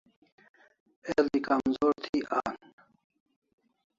El'i kamzor thi an